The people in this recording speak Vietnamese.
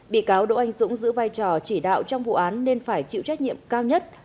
bị cáo đỗ anh dũng giữ vai trò chỉ đạo trong vụ án nên phải chịu trách nhiệm cao nhất